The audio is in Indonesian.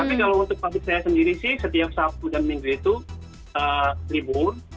tapi kalau untuk pabrik saya sendiri sih setiap sabtu dan minggu itu libur